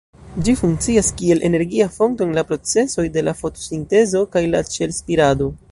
Ĝi funkcias kiel energia fonto en la procesoj de la fotosintezo kaj la ĉel-spirado.